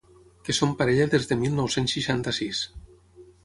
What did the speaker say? Que són parella des de mil nou-cents seixanta-sis.